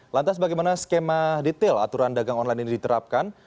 lantas bagaimana skema detail aturan dagang online ini diterapkan